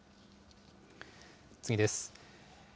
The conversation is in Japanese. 次です。